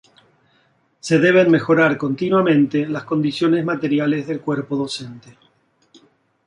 Se deben mejorar continuamente las condiciones materiales del cuerpo docente.